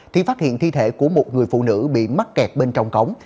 thì phát hiện thi thể của một người phụ nữ bị mắc kẹt bên trong cống